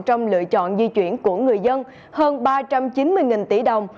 trong lựa chọn di chuyển của người dân hơn ba trăm chín mươi tỷ đồng